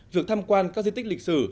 việc tham quan các di tích lịch sử